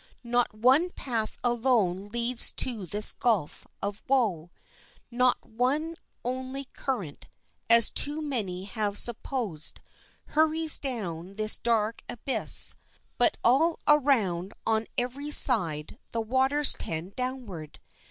Not one path alone leads to this gulf of woe; not one only current, as too many have supposed, hurries down this dark abyss, but all around, on every side, the waters tend downward.